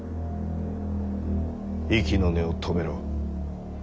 息の根を止めろ。